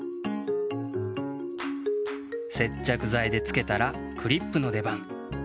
接着剤でつけたらクリップのでばん。